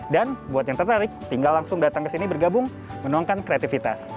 dan buat yang tertarik tinggal langsung datang ke sini bergabung menuangkan kreativitas